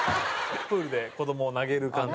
プールで子どもを投げる感じ。